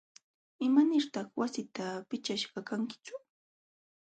¿Imanirtaq wasita pichashqa kankitsu?